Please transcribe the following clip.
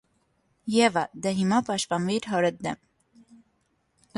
- Եվա, դե հիմա պաշտպանվիր հորդ դեմ: